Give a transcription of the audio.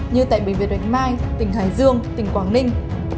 như tại bình việt đánh mai tỉnh hải dương tỉnh quảng ninh